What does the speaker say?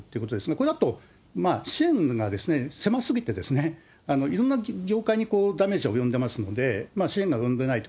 これだと支援が狭すぎて、いろんな業界にダメージが及んでいますので、支援が生んでないと。